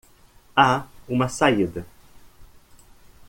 Há uma saída.